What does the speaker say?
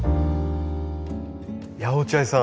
いや落合さん